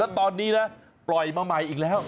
แล้วตอนนี้นะปล่อยมาใหม่อีกแล้ว